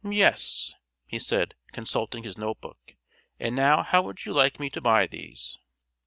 "Yes," he said, consulting his notebook. "And now how would you like me to buy these?"